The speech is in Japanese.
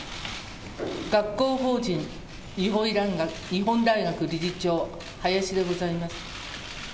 学校法人日本大学理事長、林でございます。